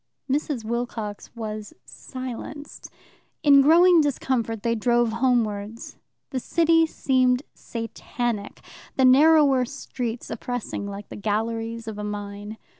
Mrs. Wilcox was silenced. In growing discomfort they drove homewards. The city seemed Satanic, the narrower streets oppressing like the galleries of a mine.